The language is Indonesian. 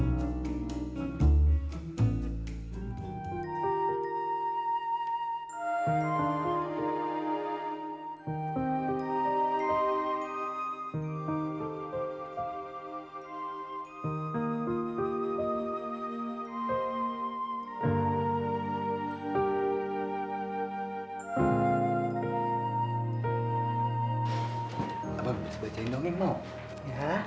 ya jangan nangis ya